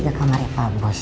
ke kamarnya pa bos